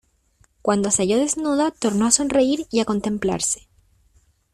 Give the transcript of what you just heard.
cuando se halló desnuda tornó a sonreír y a contemplarse.